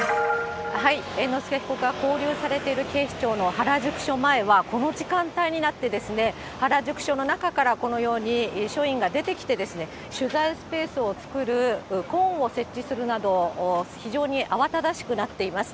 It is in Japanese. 猿之助被告が勾留されている警視庁の原宿署前はこの時間帯になってですね、原宿署の中からこのように署員が出てきて、取材スペースを作るコーンを設置するなど、非常に慌ただしくなっています。